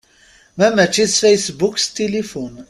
Ma mačči s fasebbuk s tilifun.